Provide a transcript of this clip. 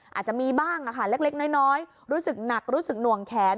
อาจจะมีบ้างค่ะเล็กน้อยรู้สึกหนักรู้สึกหน่วงแขน